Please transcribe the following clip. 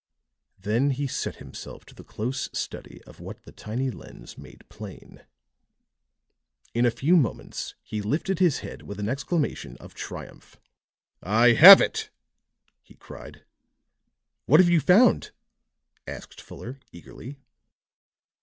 Then he set himself to the close study of what the tiny lens made plain; in a few moments he lifted his head with an exclamation of triumph. "I have it!" he cried. "What have you found?" asked Fuller eagerly.